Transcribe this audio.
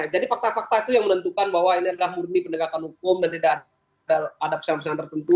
jadi fakta fakta itu yang menentukan bahwa ini adalah murni pendekatan hukum dan tidak ada persyaratan tertentu